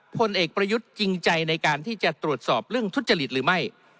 พลเอกประยุทธ์จริงใจในการที่จะตรวจสอบเรื่องทุจริตหรือไม่